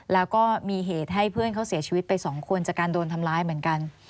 แล้วก็มีเหตุให้เพื่อนเขาเสียชีวิตไป๒คนจากการโดนทำร้ายเหมือนกัน